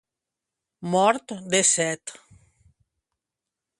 Mort de set.